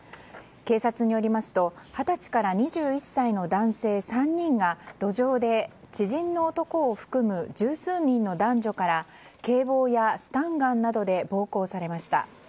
警察によりますと二十歳から２１歳の男性３人が路上で知人の男を含む十数人の男女から警棒やスタンガンなどで暴行されました。